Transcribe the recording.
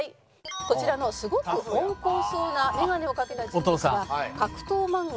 こちらのすごく温厚そうなメガネをかけた人物は格闘漫画